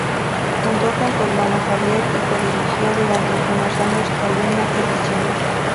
Fundó con su hermano Javier y codirigió durante algunos años Calima Ediciones.